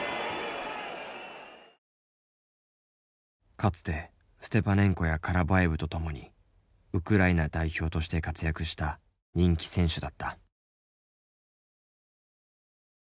かつてステパネンコやカラヴァエヴと共にウクライナ代表として活躍した人気選手だった。